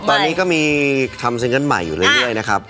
ตอนนี้ก็มีทำซิงเกิ้ลใหม่อยู่เรื่อยนะครับ